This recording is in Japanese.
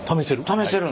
試せる？